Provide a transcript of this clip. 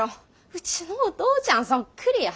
うちのお父ちゃんそっくりや。